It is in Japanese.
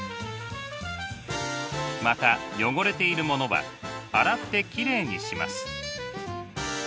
また汚れているものは洗ってきれいにします。